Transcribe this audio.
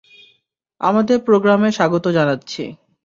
আমাদের প্রোগ্রামে স্বাগত জানাচ্ছি!